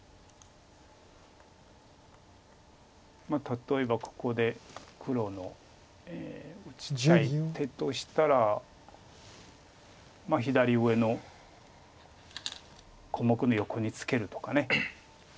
例えばここで黒の打ちたい手としたら左上の小目の横にツケるとか。